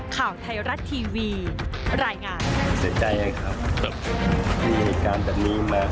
ข่าวไทยรัตน์ทีวีรายงาน